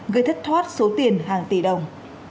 gây thất thoát số tiền hàng tỷ đồng